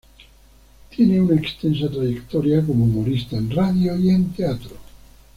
Tiene una extensa trayectoria como humorista en radio y en teatro.